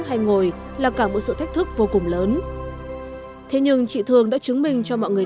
hay ngồi là cả một sự thách thức vô cùng lớn thế nhưng chị thương đã chứng minh cho mọi người